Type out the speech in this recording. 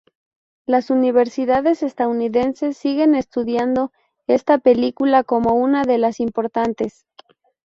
Las universidades estadounidenses siguen estudiando esta película como una de las importantes.